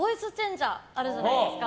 ジャーあるじゃないですか。